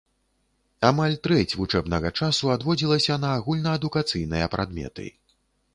Амаль трэць вучэбнага часу адводзілася на агульнаадукацыйныя прадметы.